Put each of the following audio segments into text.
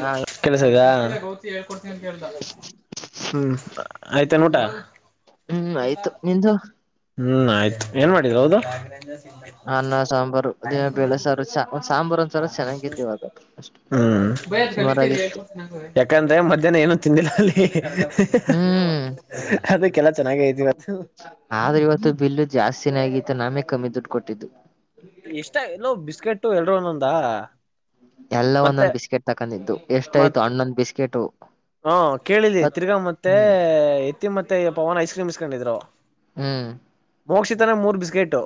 ಹಾ ಕೆಲ್ಸತದ ಹ್ಮ ಆಯ್ತಾನ ಊಟಾ. ಹ್ಮ್ ಆಯ್ತು ನಿಂದು ಹ್ಮ ಆಯ್ತ ಏನ್ ಮಾಡಿರ ಹೌದು. ಅನ್ನ ಸಾಂಬಾರು ಅದೇ ಬೇಳೆಸಾರು ಷ ಸಾಂಬಾರ ಒಂದ್ಸರ ಚೆನ್ನಾಗ ಇತ್ತ ಇವತ್ತು ಅಷ್ಟ. ಹ್ಮ ಯಾಕಂದ್ರೆ ಮಧ್ಯಾಹ್ನ ಏನು ತಿಂದಿಲ್ಲ ಅಲ್ಲಿ ಅದಕ್ಕೆಲ್ಲ ಚೆನ್ನಾಗ ಐತಿ ಇವತ್ತು ಆದ್ರ ಇವತ್ತು ಬಿಲ್ಲು ಜಾಸ್ತಿನ ಆಗಿತ್ತು ನಾಮೇ ಕಮ್ಮಿ ದುಡ್ಡು ಕೊಟ್ಟಿದ್ದ. ಎಷ್ಟ ಎಲ್ಲೋ ಬಿಸ್ಕೆಟ್ ಎಲ್ರೂ ಒಂದೊಂದ ಎಲ್ಲ ಒಂದೊಂದ ಬಿಸ್ಕೆಟ್ ತಕೊಂಡಿದ್ದು ಎಷ್ಟ ಮತ್ ಆಯ್ತು ಹಣೊಂದ್ ಬಿಸ್ಕೆಟ್ ಹಾ ಕೇಳಿದ್ದಿ ತಿರ್ಗಾ ಮತ್ತೆ ಹ್ಮ್ ಎತ್ತಿ ಮತ್ತೆ ಪವನ್ ಐಸ್ ಕ್ರೀಮ್ ಇಸ್ಕೊಂಡಿದ್ರು. ಹ್ಮ. ಮೋಕ್ಷಿತನ ಮೂರ್ ಬಿಸ್ಕೆಟ್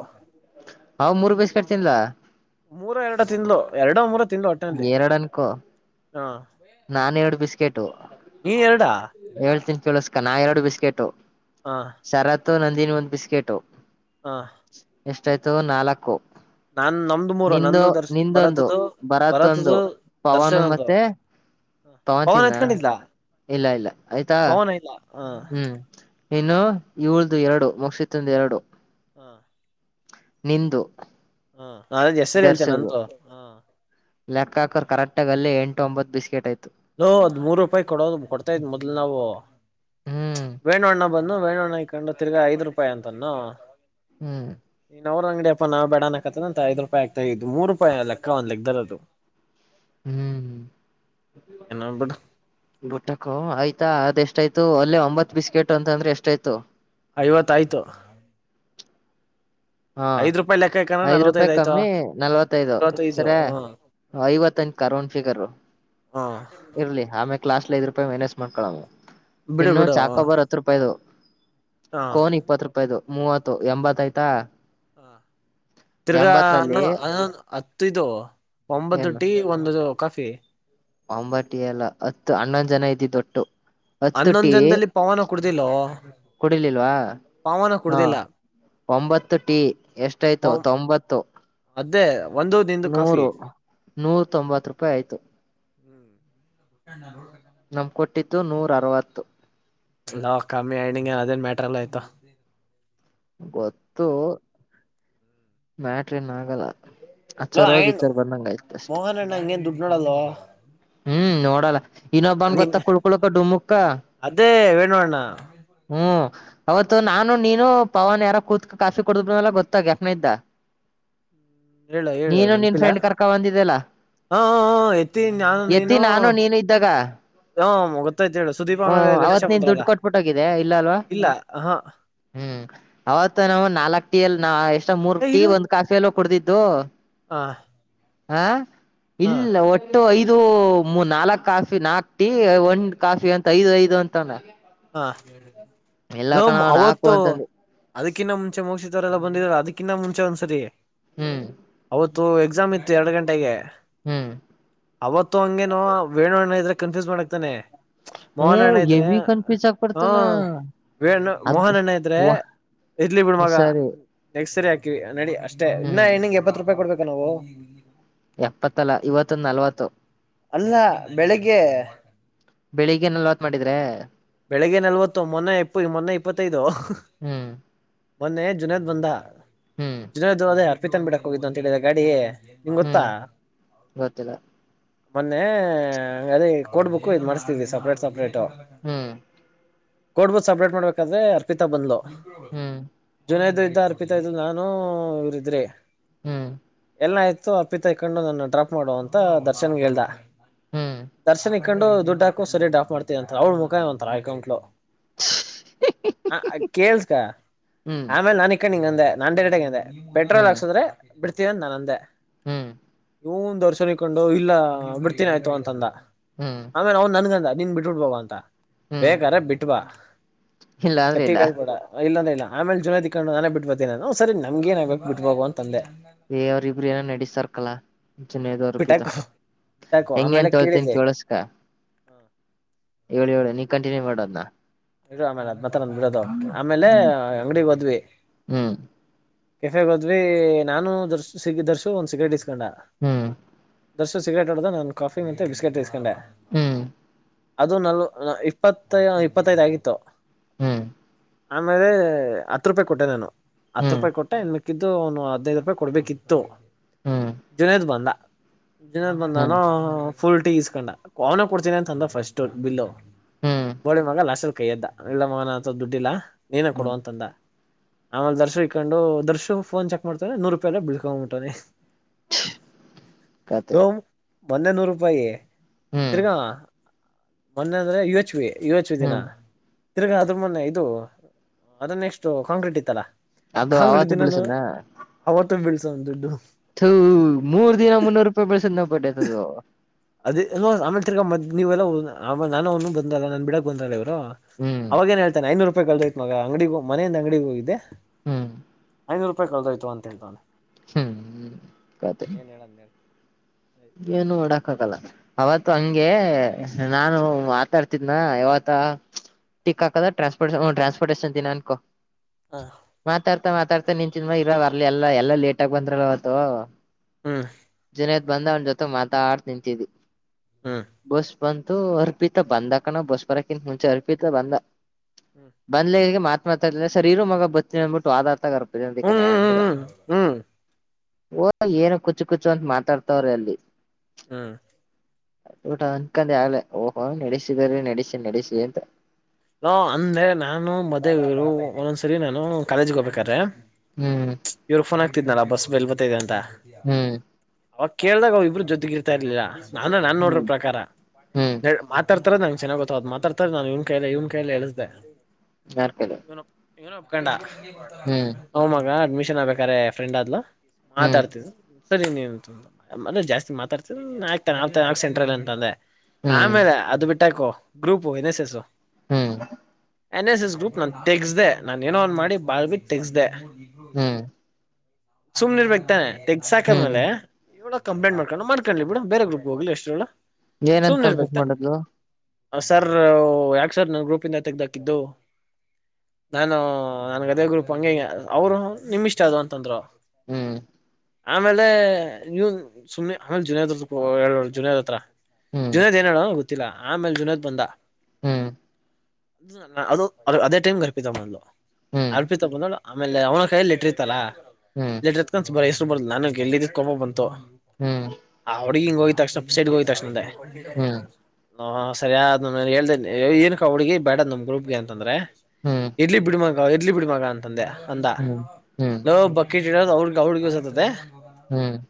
ಅವ್ ಮೂರ್ ಬಿಸ್ಕೆಟ್ ತಿನ್ಲಾ ಮೂರ ಎರಡು ತಿಂಗಳು ಎರಡ ಮೂರ ಎರಡ ಅನ್ಕೋ ಹಾ ನಾನ್ ಎರಡ ಬಿಸ್ಕೆ ನೀ ಎಡಾ ಕೆಳಸ್ಕ ನಾ ಎರಡ ಬಿಸ್ಕೆಟು. ಹಾ ತ ನಂದಿನಿ ಒಂದ ಬಿಸ್ಕೆಟು. ಹ ಎಷ್ಟಯ್ತ ನಾಲ್ಕು. ನಮ್ದು ಮೂರು ನಿಂದು ನಂದು ದರ್ಶ ನಿಂದೊಂದು ಭರತದು ಬರತ್ತೊಂದು. ಭರತದು ಪವಾನ ದರ್ಶನ್ ಅಂದು ಮತ್ತೆ ಪವಾನ್ ಪವನ್ ಚನ್ನ ಎತ್ಕೊಂಡಿದ್ಲ ಇಲ್ಲ ಇಲ್ಲ ಆಯ್ತಾ. ಹಾ ಹ್ಮ್ ಇನ್ನು ಇವ್ಳದು ಎರಡು ಮುಕ್ಷಿತಂದು ಎರಡು. ಹ ನಿಂದು ಹ್ಮ ನ ಹೆಸರ ಹೇಳ್ತೇನೆ ನಂದು ಹ ಚಕ್ಕಾಕರ್ ಕರೆಕ್ಟಾಗಿ ಅಲ್ಲೆ ಎಂಟ ಒಂಬತ್ತು ಬಿಸ್ಕೆಟ್ ಐತಿ. ಲೋ ಅದ್ ಮೂರ ರೂಪಾಯಿ ಕೊಡೋದು ಕೊಡ್ತಾ ಇದ್ ಮೊದ್ಲು ನಾವು ಹ್ಮ್ ವೇನಣ್ಣ ಬಂದು ವೇಣಣ್ಣ ಇಕೊಂಡು ತಿರ್ಗ ಐದ ರೂಪಾಯಿ ಅಂತನ್ನು ಹ್ಮ್ ನೀನ ಅವರ ಅಂಗಡಿ ನಾ ಬೇಡಣಕತದ ಅಂತ ಐದ ರೂಪಾಯಿ ಆಗ್ತಾ ಇದು ಮೂರ ರೂಪಾಯಿ ಲೆಕ್ಕ ಒಂದ ಲೆಕ್ಕದಲ್ಲಿ ಅದು ಹ್ಮ ಏನ ಬಿಡು ಬುಟಕ ಆಯತಾ ಅದೆಷ್ ಎಷ್ಟ ಆಯ್ತು ಅಲ್ಲೇ ಒಂಬತ್ ಬಿಸ್ಕೆಟ್ ಅಂತಂದ್ರೆ ಎಷ್ಟಾಯ್ತು. ಐವತ್ತಾಯ್ತು. ಹಾ ಐದ ರೂಪಾಯಿ ಲೆಕ್ ಐದ್ ರೂಪಾಯಿ ಕಮ್ಮಿ ನಲ್ವತ್ತೈದು ನಲ್ವತ್ತೈದು ಸರಿ. ಹ ಐವತ್ತಂದ ಕರೋನ್ ಪಿಗರ್ ಹ ಇರ್ಲಿ ಆಮೇಕ್ ಕ್ಲಾಸ್ ಐದ ರೂಪಾಯಿ ಮೈನಸ್ ಮಾಡ್ಕೊಳವು ಬಿಡು ಇನ್ನು ಬಿಡು ಚಾಕೊಬ್ಬರ್ ಹತ್ತ ರೂಪಾಯಿದು. ಹ ಕೋನ್ ಇಪ್ಪತ್ ರೂಪಾಯ್ದ ಮೂವತ್ತು ಎಂಬತ್ತ ಆಯ್ತಾ. ಹ ತಿರ್ಗಾ ಎಂಬತ್ತರಲ್ಲಿ ಹನ್ ಹತ್ತು ಇದು. ಒಂಬತ್ತು ಟೀ ಒಂದು ಕಾಫಿ ಒಂಬಟಿ ಎಲ್ಲ ಹತ್ತು ಹನ್ನೊಂದ್ ಜನ ಇದ್ದೀ ದೊಟ್ಟು ಹನ್ನೊಂದ್ ಜನದಲ್ಲಿ ಪವನ ಕುಡ್ದಿಲ್ಲವ ಕುಡಿರ್ಲಿಲ್ವಾ ಹಾ ಒಂಬತ್ತು ಟಿ ಎಷ್ಟಯ್ತು ತೊಂಬತ್ತು ಅದೇ ಒಂದು ನಿಂದು ಕಾಫಿ ನೂರು ನೂರ ತೊಂಬತ್ ರೂಪಾಯಿ ಆಯ್ತು ಹ್ಮ್ ನಮ್ ಕೊಟ್ಟಿತ್ತು ನೂರ ಅರವತ್ತು ಲಾ ಕಮ್ಮಿ ಆಐನಂಗ ಏನ್ ಅದೇನ್ ಮ್ಯಾಟರ್ಲ್ಲ ಆಯ್ತಾ ಗೊತ್ತು ಮ್ಯಾಟ್ರ ನ್ ಆಗಲ್ಲ ಹಲೋ ಅಚ್ಚರ್ ಹೋಗಿ ಆಯಣ್ಣ ಇಚ್ಚರ್ ಬಂದಂಗ ಆಯ್ತ ಅಷ್ಟೆ ಮೋಹನ್ ಅಣ್ಣ ಹಂಗ ಏನ್ ದುಡ್ಡು ನೋಡಲ್ವಾ ಹ್ಮ್ ನೋಡಲ್ಲ ಇನ್ನೊಬ್ಬನ್ ಗೊತ್ತ ಕುಳ್ಕೊಳಪ್ಪ ಡಮುಕ್ಕ ಣ ಹ್ಮ್ ಅವತ್ತು ನಾನು ನೀನು ಪವನ್ ಯಾರ ಕೂತ್ಕ ಕಾಫಿ ಕೊಡಲ್ಲ ಗೊತ್ತಾಗ ಯಫನ ಇದ್ದ ಹ್ಮ್ ಹೇಳ ಹೇಳ ನೀನು ನಿನ್ ನೆನಪಿಿಲ್ಲ ಫ್ರೆಂಡ್ ಕರ್ಕ ಬಂದಿದ್ದಲ್ಲ ಹಾ ಹ ಎತ್ತೀಿ ನಾನು ಎತ್ತಿ ನೀನು ನಾನು ನೀನು ಇದ್ದಾಗ ಹ್ಮ ಗೊತ್ತಾಯ್ತು ಹೇಳು ಸುದೀಪ ಆಮೇಲೆ ಗಣೇಶ ಮಂತ್ರ ಅಲ್ಲ ಹಗಿದೆ ಇಲ್ಲ ಅಲ್ವಾ ಹ್ಮ್ ಅವತ್ ನಾವ್ ನಾಲ್ಕ್ ಟೀ ಅಲ್ಲಿ ನ ಎಷ್ಟ ಮೂರ್ ಏ ಟೀ ಇರು ಒಂದ್ ಕಾಫಿಯಲ್ಲ ಕುಡದಿದ್ದು ಹ ಹಾ ಹ ಇಲ್ಲ ಒಟ್ಟು ಐದು ಇದು ಮೂ ನಾಲ್ಕ್ ಕಾಫಿ ನಾಕ್ು ಟೀ ಒಂದ್ ಕಾಫಿ ಅಂತ ಐದು ಐದು ಅಂತಂದ ನ ನಾಕು ಅವತ್ತು ಅಂತಂದಿ ಅದಕ್ಕಿನ್ನ ಮುಂಚೆ ಮುಗಸಿತವರೆಲ್ಲ ಬಂದಿದ್ರು ಅದಕ್ಕಿಂತ ಮುಂಚೆ ಒಂದ್ಸರಿ ಹ್ಮ್ ಇತ್ತು ಎಕ್ಸಾಮ್ ಇತ್ತು ಎರಡು ಗಂಟೆಗೆ ಹ್ಮ್ ಅವತ್ತು ಹಂಗೇನುೋ ವೇಣು್ಣ ಇದ್ರ ಕನ್ಫ್ಯೂಸ್ ಮಾಡಕ್ತಾನೆ ಹ್ಮ ಮೋಹನ ಅಣ್ಣ ಇದ್ರೆ ಹೆವಿ ಕನ್ಫ್ಯೂಸ್ ಹಾ ಆಗ್ಬಿಡ್ತಾನ ವ್ಣ ಅದ್ ಮೋಹನ್ ಎಣ್ಣ ಐತ್್ರೆ ವ ಇರ್ಲಿ ಬಿಡ ಮಗ ಸರಿ ಕ್ ಸರಿ ಹಾಕಿವವಿ ನಡಿ ಅಷ್ಟೇ ಇನ್ನ ಹ್ಮ್ ಹೆ್ಣಿಂಗ್ ಎಪ್ಪತ್ ರೂಪಾಯಿ ಕೊಡ್ಬೇಕ ನಾವು ಎಪ್ಪತ್ತಲ ಇವತ್ತೊಂದು ನಲ್ವತ್ತು ಅಲ್ಲ ಬೆಳಿಗ್ಗೆ ಬೆಳಿಗ್ ಏನಲ್ವತ್ ಮಾಡಿದ್ರೆ ಬೆಳಗ್ಗೆ ನಲ್ವತ್ತು ಮೊನ್ನೆ ಎಪ್ಪ ಮೊನ್ನೆ ಇಪ್ಪತ್ತೈದು ಹ್ಮ್ ಮೊನ್ನೆ ಜುನೇದ್ ಬಂದ ಹ್ಮ್ ಜುನೇದ್ೋದ ಅರ್ಪಿತನ್ ಬಿಡಕ್ ಹೋಗಿದ್ದು ಅಂತ ಹೇಳಿದಿದ್ದಾರೆ ಗಾಡಿ ನಿಂಗ್ ಹ್ಮ್ ಗೊತ್ತಾ ಗೊತ್ತಿಲ್ಲ ಮೊನ್ನೆ ಅದೇ ಕೊಡ್ಬೇಕುಕ್ು ಇ್ ಮಾಡ್ಸ್ತಿದವಿ ಸಪ್ರೇಟ್ ಸಪ್ರೇಟ್ ಹ್ಮ್ ಕೋಡ್ ಬುಕ್ಸ್ ಅಪ್ಡೇಟ್ ಮಾಡ್ಬೇಕಾದ್ರೆ ಅರ್ಪಿತಾ ಬಂದ್ಲು ಹ್ಮ್ ಜುನೈದು ಅರ್ಪಿತ ಇದು ನಾನು ಇವ್ರ ಇದ್ರೆ ಹ್ಮ್ ಎಲ್ಲ ಆಯ್ತು ಅಪ್ಪಿ ತ ಇಕೊಂಡು ನನ್ನ ಡ್ರಾಪ್ ಮಾಡುವ ಅಂತ ದರ್ಶನ್ಗೆ ಹೇಳ್ದ ಹ್ಮ್ ದರ್ಶನ್ ಹಾಕೊಂಡು ಡ್ ಹಾಕ ಸ ಡಾಫ್ ಮಾಡತತಿವಿ ಅಂತ ಅವ್ಳ್ ಮುಖಾಯವಂತ ಅಕೌಂಟ್ಲು ಹ ಕೇೇಳಸ್ಕಾ ಹ್ಮ್ ಆಮೇಲೆ ನಾನಕ್ಕ ನಿಂಗ ಅಂದೆ ನನ್ ರಟಗೆ ಅಂದೆ ಪೆಟ್ರೋಲ್ ಹ್ಮ್ ಹಾಕ್ಸುದ್ರೆ ಬಿಡ್ತೀನಂದ ನಾನ್ ಅಂದೇ ಹ್ಮ್ ಇನ್ ದರ್ಶನ್ಿಕೊಂಡು ಇಲ್ಲ ಬಿಡ್ತೀನಿ ಆಯ್ತು ಅಂತಂದ ಹ್ಮ್ ಆಮೇಲೆ ಅವ್ ನನ್ಗಂದ ನೀನ್ ಬಿಟ್ಬಡ್ಬ ಅಂತ ಹ್ಮ್ ಬೇಕ್ರ ಬಿಟ್ವಾ ಇಲ್ಲ ಅಂದ್ರೆ ಇಲ್ಲ ಕತ್ತಿಗಳು ಕೂಡ ಇಲ್ಲಂದ್ರ ಇಲ್ಲ ಆಮೇ ಜನ [unintelligible] ಹೇ ಅವ್ರ ಇಬ್ರು ಏನೋ ನಾಡಿಸ್ಯರಕಲಾ. [unintelligible] ಬಿಟ್ಟಾಕು ಬಿಟ್ಟಾಕು ಹೆಂಗೆ ಆಮೇಲೆ ಅಂತ ಹೇಳ್ತೀನಿ ಕೇಳಿದ್ಲಿ ಕೇಳಿಸ್ಕ. ಹೇಳ ಹೇಳು ನೀ ಕಂಟಿನ್ಯೂ ಮಾಡು ಅದನ್ನ. ಈಡು ಆಮೇಲೆ ಬ [unintelligible] ಆಮೇಲೆ ಅಂಗಡಿಗೆ ಹೋದ್ವಿ. ಹ್ಮ್ ಹ್ಮ್ ಕೆಫೆ ಹೋದ್ವಿ ನಾನು ದರ್ಶ ಸಿ ದರ್ಶು ಒಂದ್ ಸಿಗರೇಟ್ ಇಸ್ಕೊಂಡ. ಹ್ಮ್ ದರ್ಶು ಸಿಗರೇಟ್ ಆಡ್ದ ನಾನ್ ಕಾಫಿ ಮತ್ತೆ ಬಿಸ್ಕೆಟ್ ಈಸ್ಕೊಂಡೆ. ಹ್ಮ್ ಅದು ನಲ್ವ ಇಪ್ಪತ್ತ ಇಪ್ಪತೈದ್ ಆಗಿತ್ತು. ಹ್ಮ್ ಆಮೇಲೆ ಹತ್ತು ರೂಪಾಯಿ ಕೊಟ್ಟೆ ನಾನು ಹತ್ತು ರೂಪಾಯಿ ಕೊಟ್ಟ ಇನ್ ಮಿಕ್ಕಿದ್ದು ಅವ್ನು ಹದ್ನೈದು ರೂಪಾಯಿ ಕೊಟ್ ಕೊಡ್ಬೇಕಿತ್ತು ಹ್ಮ್ ಜುನೇದ್ ಬಂದ. [unintelligible] ಬಂದಾನು ಹ್ಮ್ ಫುಲ್ ಟೀ ಇಸ್ಕೊಂಡ ಅವನೇ ಕೊಡ್ತೀನಿ ಅಂತ ಅಂದ ಫಸ್ಟ್ ಬಿಲ್ಲು. ಹ್ಮ್ [unintelligible] ಲಾಸ್ಟ್ ಅಲ್ಲಿ ಕೈಯ್ ಎತ್ತಿದ ಇಲ್ಲ ಮಗನ ಅತ್ರ ದುಡ್ಡಿಲ್ಲಾ ನೀನೇ ಕೊಡು ಹ್ಮ್ ಅಂತಂದ. ಆಮೇಲೆ ದರ್ಶು ಇಕೊಂಡು ದರ್ಶು ಫೋನ್ ಚೆಕ್ ಮಾಡ್ತೆ ನೂರು ರೂಪಾಯಿಲ್ಲ [unintelligible] [inaudible] [inaudible] ಮೊನ್ನೆ ನೂರು ರೂಪಾಯಿ ಹ್ಮ್ ತಿರ್ಗಾ ಮೊನ್ನೆ ಅಂದ್ರೆ ಯು ಏಚ್ ವಿ ಉಚ್ ದಿನ ಹ್ಮ್ ತಿರ್ಗಾ ಅದ್ರ ಮೊನ್ನೆ ಇದು ಅದನ್ನ ನೆಕ್ಸ್ಟ್ ಕಾಂಕ್ರೀಟ್ ಇತ್ತಲ್ಲ. ಅದು ಕಾಂಕ್ರೀಟ್ ದಿನಾನೂ ಅವತ್ತು ಬೀಳ. ಥು ಮೂರು ದಿನ ಮುನ್ನೂರು ರೂಪಾಯಿ ಬೀಳಿಸಿದ ಬಡ್ಡೆತದು ಅದ ಆಮಿ ತಿಗ ಮ ನೀವೆಲ್ಲ ನಾನ ಅವನು ಬಂದಲ್ಲ ನನ್ ಬಿಡಕ್ ಬಂದಲ್ಲ. ಹ್ಮ್ ಅವಾಗೇನ್ ಹೇಳ್ತನೆ ಐನೂರು ರೂಪ ರಪಾಯಿ ಕಳೆದೋಯ್ತು ಮಗ ಅಂಗಡಿಗೆ ಮನೆಯಿಂದ ಅಂಗಡಿಗ ಹೋಗದೆ ಹ್ಮ್ ಐನೂರು ರೂಪಾಯಿ ಕಳೆದೋಯ್ತು ಅಂತ ಹೇಳ್ತಾವ್ನೇ ಹ್ಮ್ ಕತೆ ಹೇಳದ್ ಹೇಳು ಏನು ಮಾಡಕ್ ಕಾಗಲ್ಲಾ ಅವತ್ತು ಹಂಗೆ ನಾನು ಮಾತಾಡ್ತಿದ್ನಾ ಯಾವತ. [unintelligible] ಟ್ರಾನ್ಪೋರ್ಟಷನ್ ದಿನ ಅನ್ಕೋ ಹಾ ಮಾತಾಡ್ತಾ ಮಾತಾಡ್ತಾ ನಿನ್ ಚನ್ಮ ಇರ ಬರ್ಲಿ ಎಲ್ಲಾ ಎಲ್ಲಾ ಲೇಟ ಆಗ ಬಂದ್ರಲ್ಲ ಅವತ್ತು. ಹ್ಮ ಜುನೇದ್ ಬಂದ ಅವನ ಜೊತೆ ಮಾತಾಡ್ ನಿಂತಿದಿ ಹ್ಮ್ ಬಸ್. ಬಂತು ಅರ್ಪಿತ ಬಂದ ಕಣೋ ಬಸ್ ಬರಕಿಂತ ಮುಂಚೆ ಅರ್ಪಿತ ಬಂದ ಹ್ಮ್ ಬಂದ್ಲಗೆ ಮಾತ್ [unintelligible] ಸರಿ ಇರು ಮಗ ಬರ್ತಿನಿ ಅನ್ಬಿಟ್ಟು ಹೋದ ಅತ್ತ [unintelligible] ಹ್ಮ್ ಹ್ಮ್ ಹ್ಮ್ ಹೋಗಿ ಏನು ಕುಚ್ಚು ಕುಚು ಅಂತ ಮಾತಾಡ್ತವ್ರ ಅಲ್ಲಿ ಹ್ಮ [unintelligible] ಅನ್ಕಂದೆ ಆಗ್ಲ ಓಹೋ ನಡೆಸಿದರೆ ನಡೆಸಿ ನಡೆಸಿ ಅಂತ ಹ ಅಂದೆ ನಾನು ಮದೆವರು ಒಂದೊಂದ್ಸರಿ ನಾನು ಕಾಲೇಜ್ ಹೋಗ್ಬೇಕಾದ್ರೆ. ಹ್ಮ್ ಅಂತಿದ್ನಲ್ಲಾ ಬಸ್ ಬೆಲ್ ಬತೈದೆ ಅಂತ. ಹ್ಮ್ ಅವಾಗ ಕೇಳ್ದಾಗ ಅವ್ರು ಇಬ್ರು ಜೊತೆಗಿರ್ತಾ ಇರ್ಲಿಲ್ಲ ನಾನ ನಾನ್ ಹ್ಮ್ ನೋಡರ ಪ್ರಕಾರ ಹ್ಮ್ ಮಾತ ಮಾತಾಡ್ ಮಾ ನಗೆ ಚೆಾಗ ಗೊತ್ತತ್ ಮಾತಾಡ್ತಾರೆ ನಾ ಇವ ಕೈ ಇವ್ ಕೈಯಲ್ಲಳಸ್ದೆ ಯಾರ್ ಕೈಲೇ ಇವನ ಒಪ್ಕೊಂಡ ಹ್ಹು ಮಗ ಅಡ್ಮಿಷನ್ ಆಗ್ಬೇಕಾರೆ ಫ್ರೆಂಡ್ ಆದ್ಲು. ಹ್ಮ್ ಮಾತಾಡ್ತಿದ್ದ. ಸರಿ ನೀನುಂತ ಮದೇ ಜಸ್ತಿ ಮಾತಾಡ್ತೀರಿ ಆಕ್ತಾನೆ ಆಗ್ತಾನೆ ನಾವ್ ಯಾಕ್ ಸೆಂಟ್ರಲ್ಲಿ ಅಂತಂದೆ. ಹ್ಮ್ ಆಮೇಲೆ ಅದು ಬಿಟ್ಟಾಕು ಗ್ರೂಪು ಏನ್ ಏಸ್ ಎಸ್ ಸೂ ಹ್ಮ್ ಎನ್ ಎಸ್ ಎಸ್ ಗ್ರೂಪ್ ನಾನ್ ತೆಗಸ್ದೆ ನಾನ್ ಏನೋ ಒಂದ್ ಮಾಡಿ ಬಾಳ್ಬಿಟ್ಟ ತೆಗಸ್ದೆ. ಹ್ಮ್ ಸುಮ್ನೆ ಇರ್ಬೇಕತಾನೆ ಹ್ಮ್ ತೆಗ್ಸಾಕಾದ್ಮೇಲೆ. ಇವಳ ಹೋಗಿ ಕಂಪ್ಲೇಟ್ ಮಾಡೊಂಡು ಮಾಡ್ಕೊಳ್ಳಿ ಬಿಡು ಬೇರೆ ಗ್ರಪ್ ಹೋಗ್ ಎಷ್ಟರಳ. ಏನಂತ ಕಂಪ್ಲೀಟ್ ಮಾಡದ್ಲು ಸರ್ ಯಾಕೆ ಸರ್ ನನ್ನ ಗ್ರೂಪಿಂದ ತೆೆಗೆ್ದಾಕಿದ್ದು ನಾನು ನನ್ಗದೇ ಗ್ರೂಪ್ ಹಗೆಂಗ ಅವರು ನಿಮ ಇಷ್ಟ ಅದು ಅಂತಂದ್ರು ಹ್ಮ್ ಆಮೇಲೆ ನೀವು ಸುಮ್ನೆ ಆಮೇಲೆ ಜುನಿಯರ್ ಹತ್ರ ಜುನಿಯಾದ್ ಹತ್ರ ಹ್ಮ್ ಜುನೇದ್ ಏನಡ ಗೊತ್ತಿಲ್ಲ ಆಮೇಲೆ ಜುನೇದ್ ಬಂದ ಹ್ಮ್ ಅದು ಅದೇ ಟೈಮ್ಗೆ ಅರ್ಪಿತ ಬ್ಲು ಹ್ಮ್ ಅರ್ಪಿತ ಬಂದ ಆಮೇಲೆ ಅವನ ಕೈಯಲ್ಲಿ ಲೆಟರ್ ಇತ್ತಲ್ಲ ಹ್ಮ್ ಲೆಟ್ರ ಇತ್ಕ ಬರ ಹೆಸರು ಬರ್ದಿಲ್ಲ ನನಗೆ ಎಲ್ಲಿ ಇದತ್ಕೊಬ ಬಂತು ಹ್ಮ್ ಹ ಹಡುಗ ಹಿಂಗ ಹೋಗ್ ತಕ್ಷಣ ಸೈಡ್ಗೆ ಹೋಗ ತಕ್ಷಣದ ಹ್ಮ್ ಹ ಸರಿಯ್ ಹೇಳ್ದ ಏ ಕ ಹುಡುಗ ಬೇಡದ ನಮ್ ಗ್ರೂಪ್ಗೆ ಅಂತಂದ್ರೆ ಹ್ಮ್ ಇಡ್ಲಿ ಬಿಡ ಮಗ ಇಡ್ಲಿ ಬಿಡ ಮಗ ಅಂತಂದೆ ಅಂದ ಹ್ಮ್ ಹ್ಮ್ ಹ್ಮ್ ಹಲೋ ಬಕಿ ಚ ಅವ್ರ ಅವ್ರಗಿವಸತತೆ ಹ್ಮ್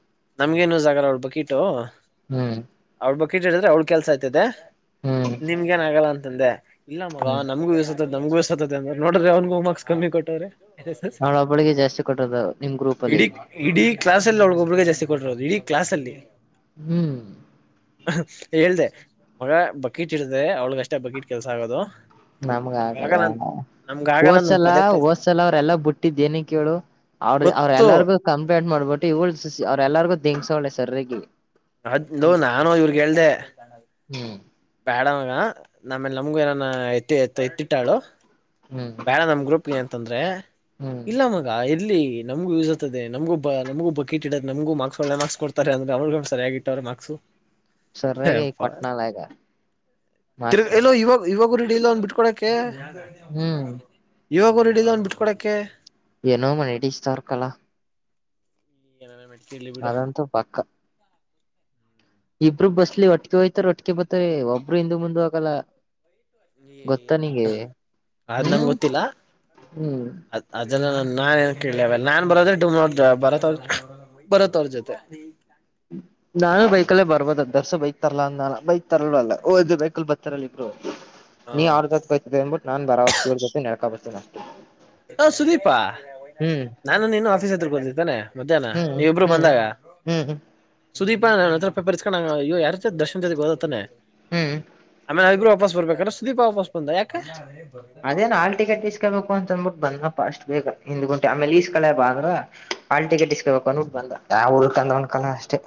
ನಮ್ಗೇನು ಜಾಗರ ಅವಳ್ ಬಿಟು ಹ್ಮ್ ಹ್ಮ್ ಅವಳ ಬಕ್ ಇಟ್ ಹೇಳಿದ್ರೆ ಅವ್ಳ್ ಕೆಲ್ಸ ಆಯ್ತದೆ ನಿಮ್ಗ ಏನ್ ಆಗಲ್ಲ ಅಂತಂದೆ ಇಲ್ಲ ಮಗ ನಮಗೂ ವಿಸಸತ ನಮಗೂಿಸಸತ ಅಂದ್ರ ನೋಡ್ರರಿ ಅವ್ನ್ಗೂ ಮಾರ್ಕ್ಸ್ ಕಮ್ಮಿ ಕೊಟ್ಟ್ರೆ ಅವಳೊಬ್ಬಳಿಗೆ ಜಾಸ್ತಿ ಕೊಟ್ಟದು ನಿಮ್ ಗ್ರೂಪ್ ಅಲ್ಲಿ ಇಡೀ ಇಡೀ ಕ್ಲಾಸ್ ಎಲ್ಲಿ ಒಳಗೊಬ್ರಗ ಜಾಸ್ತಿ ಕೊಟ್ಟರೋದು ಇಡೀ ಕ್ಲಾಸ್ ಅಲ್ಲಿ ಹ್ಮ್ ಹೇಳ್ದ ಮಗ ಬಕೀಟ್ ಇಡತೆ ಅವ್ಳಗ ಅಷ್ಟೇ ಬಕೀಟ್ ಕೆಲ್ಸ ಆಗೋದು ನಮ್ಗೆ ನಮ್ಗ ಆಗಲ್ಲ ಅಂತ ನಮ್ಗ ಆಗಲ್ಲ ನನ್ ಹೋದ್ಸಲ ಪದೇ ಪದೇ ಹೋದ್ಸಲ ಅವ್ರೆಲ್ಲಾ ಬಿುಟ್ಟಿದ್ದ್ ಏನ ಕೇಳು ಅವ್ರ ಗೊತ್ತು ಅವ್ರೆಲ್ಲಾರ್ಗು ಕಂಪ್ಲೇಂಟ್ ಮಾಡ್ಬಿಟ್ಟು ಇವ್ಳ ಅವ್ರೆಲ್ಲಾರ್ಗು ದಿಂಗ್ಸೋಳೆ ಸರ್್ರಗ ಅದ್ವು ನಾನು ಇವ್ರಗ್ ಹೇಳ್ದೆ ಹ್ಮ್ ಬ್ಯಾಡವಾಗ ನಮೇಲೆ ನಮಗು ಏನಾನ ಎತ್ತಿ ಎ ಎತ್ತಿಟ್ಟಾಳು ಹ್ಮ್ ಬೇಡ ನಮ ಗ್ರೂಪ್ಗೆ ಅಂತಂದ್ರೆ ಹ್ಮ್ ಇಲ್ಲ ಮಗ ಇಲ್ಲಿ ನಮಗೂ ಯೂಸ್ ಇದೆ ನಮಗ ನಮಗೂ ಬಕ ಇಡದೆ ನಮಗ ಮಾರ್ಕ್ಸ್ ಒಳ್ಳೆ ಮಾರ್ಕ್ಸ್ ಕೊಡ್ತಾರೆ ಅಂದ್ರೆ್ ಸರಿಯಾಗಿ ಇಟ್ಟಾರೆ ಮಾಗ್ಸು ಸರ್ರಗೆ ಕೊಟ್ನಾಾಲಯಗ ತಿರ್ಗ ಎಲ್ಲೋ ಇವಾಗ ಇವಾಗರುಡ ಇಲ್ಲ ಒಂದು ಬಿಟ್ಕೊಡಕೆ ಹ್ಮ್ ಇವಾಗ್ರು ಇಡಲ್ಲ ಒಂದ್ ಬಿಟ್ಕೊಡೆ ಏನೋ ಮನೆಡಿ ಇಷ್ಟಾರ್ಕಲ್ಲಾ ಏನ ಬಿಟ್ಟ ಅದಂತೂ ಪಕ್ಕ ಇಬ್ರು ಬಸ್ಲಿ ಒಟ್ಟಿಗೆ ಹೋ್ತಾರ ಒಟ್ಟಿಗೆ ಬರ್ತಾರ ಒಬ್ಬರು ಇಿಂದ ಮುಂದ ಹೋಗಲ್ಲ ಗೊತ್ತ ಏನ ನಿಗೆ ಬಿಡು ಅದ್ ನಂಗ್ ಹ್ಮ್ ಗೊತ್ತಿಲ್ಲ ಹ್ಮ್ ಅ ನಾನ್ ಏನ್ ಕೇಳವ ನಾನ್ ಬರೋದ್ರೆ ಡ ನ ಬರ ಅವ್ರ ಬರತ್ ಅವ್ರ ಜೊತೆ ನಾನೂ ಬೈಕಲ್ಲೇ ಬರ್ಬೋದ ಅ ದರ್ಸ ಬೈಕ್ ತರ್ಲ್ಲ ಅಂದ ನಾನ ಬೈಕ್ ತರಲ್ವ ಅಲ್ಲ ಓದ್ ಬೈಕಲ್ಲಿ ಬತ್ತರ ಇ ನೀ ಅವ್ರ ಹ ಜೊತ್ ಕ್ತ ಅನ್ಂಬಿಟ್ಟು ನಾನ್ ಬರಾವತ್ ಕವರ್ ಜೊತೆ ನೆಡ್ಕಾ ಬರ್ತೆ ಅಷ್ಟ ಹ ಸುದೀಪಾ ನಾನ ಇನು ಆಫೀಸ್ ಎತ್ರ್ರ ಬಂದಿರ್ತಾನನೆ ಮಧ್ಯಾಹ್ನ ಹ್ಮ್ ನೀವು ಇಬ್ರು ಹ್ಮ್ ಬಂದಾಗ ಹ್ಮ್ ಸುದೀಪ ನ ಹತ್ರ ಪೇಪರ್ಸ್ಕೊಂಡಂಗ ಯಾರಾರ್ ದರ್ಶನ್ ಜೊತೆಗೆ ಹೋದತ್ತಾನೆ ಹ್ಮ್ ಆಮೇಲೆ ಅವ ಇಬ್ರು ವಾಪಸ್ ಬರ್ಬೇಕ್ರ ಸುದೀಪ ವಾಪಸ್ ಬಂದ ಯಾಕ ಅದೇ ನಾ ಟಿಕೆಟ್ ಇಸ್ಕೊಬೇಕ ಅಂತಂದನ್ಬಿಟ್ಟು ಬಂದ ಪಫಾಸ್ಟ್ ಬೇಕ ಹಿಂದ್ ಗಂಟೆ ಆಮೇಲೆ ಈಸ್ ಕಳೆ ಬ ಅ್ರ ಹಾಲ್ ಟಿಕೆಟ್ ಇಸ್ಕಬೇಕ ಬಂದ ಅವರು ಕಂದ ಒೊಂಡ ಕಲ ಅಷ್ಟೇ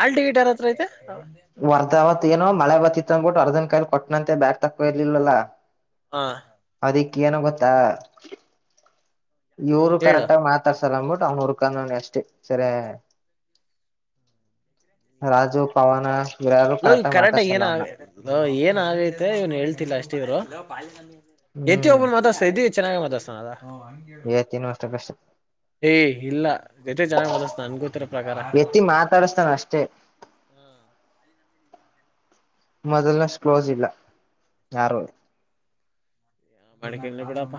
ಆಳ್ ಟಿಕೆಟ್ ಯಾರ ಹತ್ರ ಐತೆ ವರ್ಧಾವತ್ ಏನೋ ಮಳೆ ಬತ್ತತ್ ಅಂದ್ಬಿಟ್ಟು ಅರ್ಧನ್ ಕಾಯಲಿ ಕೊಟ್ಟನಂತೆ ಬ್ಯಾಗ ತಕ್ಕಕೋ ಇರ್ಲಿಲ್ಲಲ್ಲಾ ಹಾ ಅದಕ್ ಏನ ಗೊತ್ತಾ ಇವರು ಹೇಳು ಕರೆಕ್ಟ್ಗ ಮಾತಾಡ್ ್ಬಿಟ್ಟು ಅವ್ನೂರುಕಾನ ಎಷ್ಟು ಸರಿ ರಾಜು ಪನ ನ ಕರೆಕ್ಟ್ಾಗಿ ಏನ ಏನ್ ಆಗೈತೆ ಇವನ್ ಹೇಳ್ತಿಲ್ಲ ಅಷ್ಟಿದವ್ರು ಎತ್ತಿ ಒಬ್ಬ ಮಾತಾತ ಎದ ಚೆನ್ನಾಗ ಮ ಮಾತಾಸ್ತನ ಅದ ಈ ತೀನ್ ವರ್ಷ ಪಕ್ಷೆ ಏಯ್ ಇಲ್ಲ ಜತೆ ಜನ ಮತಸ್ ನನ್ಗೊತಿರ ಪ್ರಕಾರ ಹಾ ಎತ್ತಿ ಮಾತಾಡಸ್ತಾನ ಅಷ್ಟೇ ಮೊದಲ್ನಷ್ಟು ಕ್ಲೋಸ್ ಇಲ್ಲ ಯಾರು ಹ ಮಡಿಕಲ್ಲ ಬಿಡಪ್ಪ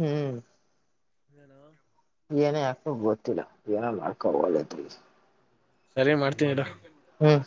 ಹ್ಮ್ ಣ ಏನ ಯಾಕ ಗೊತ್ತಿಲ್ಲ ಏನೋ ಮಾಡ್ಕೋದತ್ ಸರಿ ಮಾಡ್ತೀನಿಡ ಹ್ಮ್